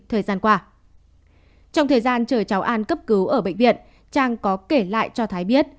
thời gian qua trong thời gian chờ cháu an cấp cứu ở bệnh viện trang có kể lại cho thái biết